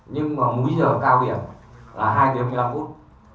nhưng mà múi giờ cao biển là hai tiếng năm phút